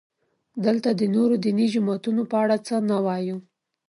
دلته د نورو دیني جماعتونو په اړه څه نه وایو.